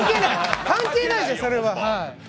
関係ないじゃん、それは。